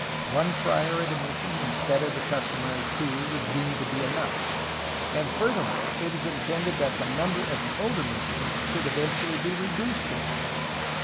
One friar at a mission, instead of the customary two, was deemed to be enough, and furthermore it was intended that the number at the older missions should eventually be re duced to one.